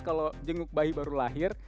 kalau jenguk bayi baru lahir